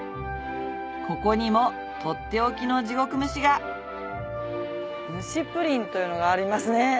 ここにも取って置きの地獄蒸しが蒸しプリンというのがありますね。